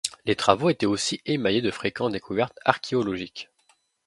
Les travaux étaient aussi émaillés de fréquentes découvertes archéologiques.